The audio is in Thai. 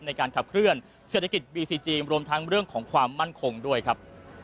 ในการขับเคลื่อนเศรษฐกิจบีซีจีมรวมทั้งเรื่องของความมั่นคงด้วยครับ